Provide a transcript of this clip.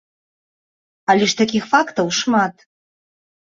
Але ж такіх фактаў шмат.